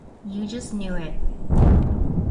You just knew it.